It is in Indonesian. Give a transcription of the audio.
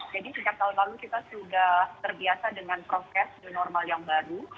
jadi sejak tahun lalu kita sudah terbiasa dengan proses normal yang baru